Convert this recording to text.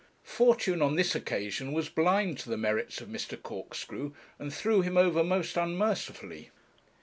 Fortune on this occasion was blind to the merits of Mr. Corkscrew, and threw him over most unmercifully.